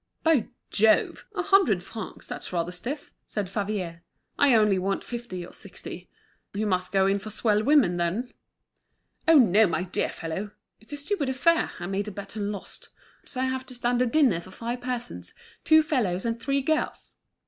"By Jove! a hundred francs; that's rather stiff," said Favier. "I only want fifty or sixty. You must go in for swell women, then?" "Oh, no, my dear fellow. It's a stupid affair; I made a bet and lost. So I have to stand a dinner for five persons, two fellows and three girls.